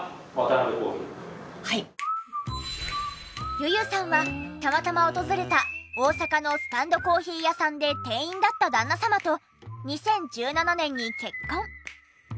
ｙｕ−ｙｕさんはたまたま訪れた大阪のスタンドコーヒー屋さんで店員だった旦那様と２０１７年に結婚。